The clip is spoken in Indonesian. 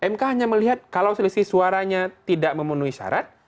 mk hanya melihat kalau selisih suaranya tidak memenuhi syarat